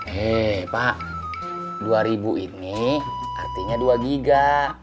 hei pak dua ribu ini artinya dua giga